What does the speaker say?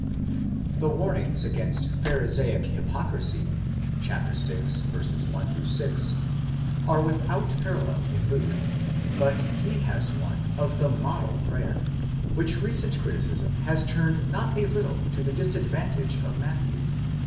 *8 The warnings against Pharisaic hypocrisy (vi. 1 6) are without a parallel in Luke ; but he has one of the model prayer, which recent criticism has turned not a little to the disadvantage of Matthew.